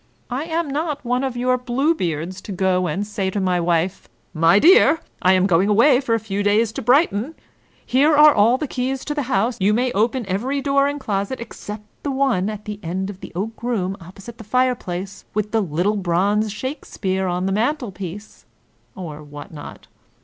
I am not one of your Bluebeards to go and say to my wife, " My dear ! I am going away for a few days to Brighton. Here are all the keys of the house. You may open every door and closet, except the one at the end of the oak room opposite the fire place, with the little bronze Shakespeare on the mantel piece (or what not)."